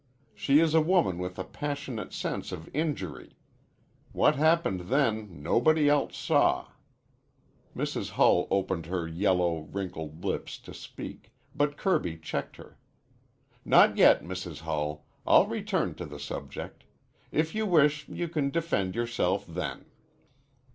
She is a woman with a passionate sense of injury. What happened then nobody else saw." Mrs. Hull opened her yellow, wrinkled lips to speak, but Kirby checked her. "Not yet, Mrs. Hull. I'll return to the subject. If you wish you can defend yourself then."